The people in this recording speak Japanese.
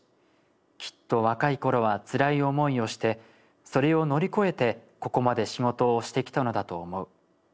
きっと若い頃は辛い思いをしてそれを乗り越えてここまで仕事をしてきたのだと思う。